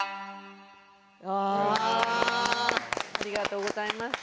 ありがとうございます。